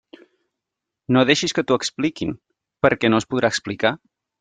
No deixis que t'ho expliquin, perquè no es podrà explicar!